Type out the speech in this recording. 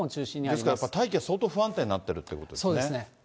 ですからやっぱり大気の状態が相当不安定になっているというそうですね。